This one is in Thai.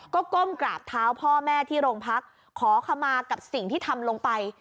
ก็ก้มกราบเท้าพ่อแม่ที่โรงพักขอขมากับสิ่งที่ทำลงไป